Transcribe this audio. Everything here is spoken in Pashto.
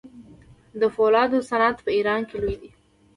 د فولادو صنعت په ایران کې لوی دی.